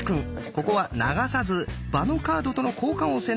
ここは流さず場のカードとの交換を選択。